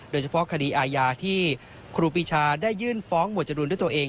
โดยเฉพาะคดีอาญาที่ครูปีชาได้ยื่นฟ้องหมวดจรูนด้วยตัวเอง